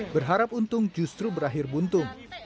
berharap untung justru berakhir buntung